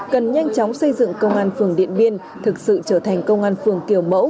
cần nhanh chóng xây dựng công an phường điện biên thực sự trở thành công an phường kiểu mẫu